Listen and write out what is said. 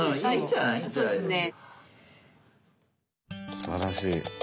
すばらしい。